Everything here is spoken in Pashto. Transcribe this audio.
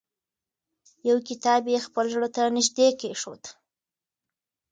یو کتاب یې خپل زړه ته نږدې کېښود.